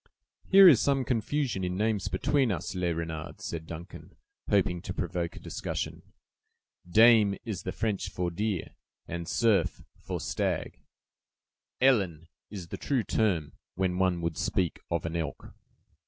"Here is some confusion in names between us, Le Renard," said Duncan, hoping to provoke a discussion. "Daim is the French for deer, and cerf for stag; elan is the true term, when one would speak of an elk."